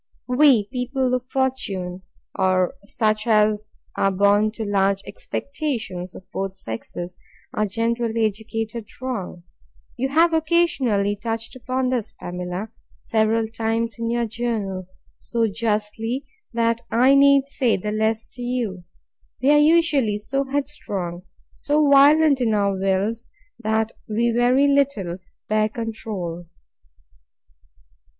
We people of fortune, or such as are born to large expectations, of both sexes, are generally educated wrong. You have occasionally touched upon this, Pamela, several times in your journal, so justly, that I need say the less to you. We are usually so headstrong, so violent in our wills, that we very little bear control.